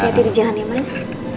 hati hati di jalan ya mas